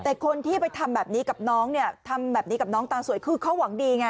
แต่คนที่ไปทำแบบนี้กับน้องเนี่ยทำแบบนี้กับน้องตาสวยคือเขาหวังดีไง